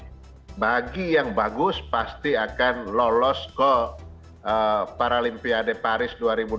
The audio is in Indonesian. tapi bagi yang bagus pasti akan lolos ke paralimpiade paris dua ribu dua puluh